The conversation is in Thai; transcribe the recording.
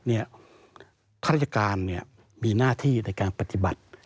ข้าราชการมีหน้าที่ในการปฏิบัติ